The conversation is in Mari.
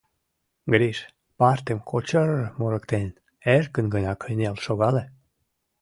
Гриш, партым кочыр-р мурыктен, эркын гына кынел шогале.